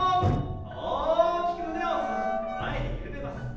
大きく胸を反らして前で緩めます。